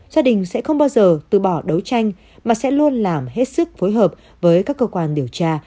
gia đình sẽ không bao giờ từ bỏ đấu tranh mà sẽ luôn làm hết sức phối hợp với các cơ quan điều tra